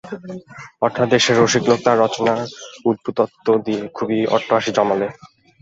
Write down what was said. অর্থাৎ দেশের রসিক লোক তাঁর রচনার অদ্ভুতত্ব দিয়ে খুব অট্টহাস্য জমালে।